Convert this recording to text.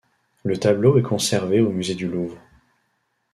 Le tableau est conservé au musée du Louvre.